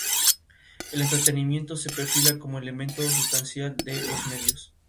El entretenimiento se perfila como elemento sustancial de los medios.